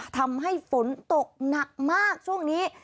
ทำให้ฝนตกหนักมากช่วงนี้